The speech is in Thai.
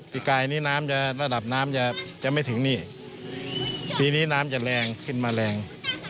ปีกายนี้น้ำจะระดับน้ำจะจะไม่ถึงนี่ปีนี้น้ำจะแรงขึ้นมาแรง